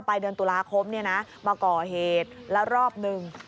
เดือนตุลาคมเนี่ยนะมาก่อเหตุแล้วรอบหนึ่ง